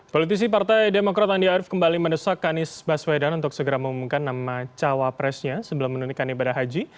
politisi partai demokrat andi arief kembali mendesakkan isbas wadhan untuk segera mengumumkan nama cawapresnya sebelum menunikkan ibadah haji